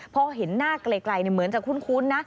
พอเห็นหน้าไกลเหมือนจะคุ้นนะ